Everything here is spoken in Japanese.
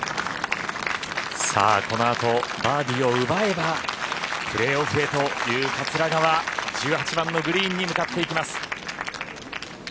このあと、バーディーを奪えばプレーオフへという桂川１８番のグリーンに向かっていきます。